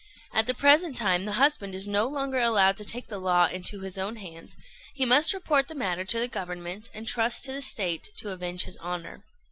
At the present time the husband is no longer allowed to take the law into his own hands: he must report the matter to the Government, and trust to the State to avenge his honour.